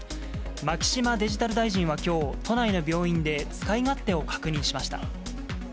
牧島デジタル大臣はきょう、都内の病院で使い勝手を確認しました。